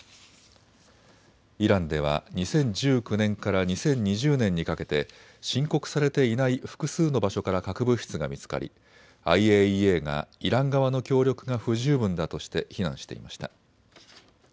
イランでは２０１９年から２０２０年にかけて申告されていない複数の場所から核物質が見つかりＩＡＥＡがイラン側の協力が不十分だとして非難していました。